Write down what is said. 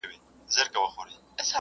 ښځه په خپل زوړ شال کې له یخنۍ پناه وه.